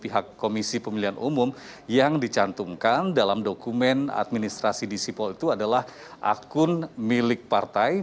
pihak komisi pemilihan umum yang dicantumkan dalam dokumen administrasi di sipol itu adalah akun milik partai